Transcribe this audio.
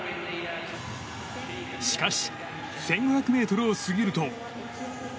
しかし１５００ｍを過ぎると。